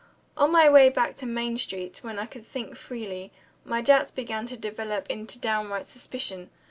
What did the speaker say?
On my way back to Main Street, when I could think freely, my doubts began to develop into downright suspicion.